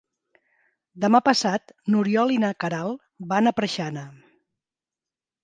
Demà passat n'Oriol i na Queralt van a Preixana.